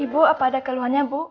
ibu apa ada keluhannya bu